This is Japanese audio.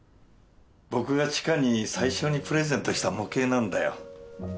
僕が知花に最初にプレゼントした模型なんだよ。